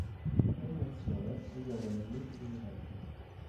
La premiazione ha luogo nel mese di novembre.